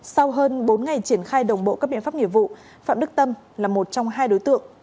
sau hơn bốn ngày triển khai đồng bộ các biện pháp nghiệp vụ phạm đức tâm là một trong hai đối tượng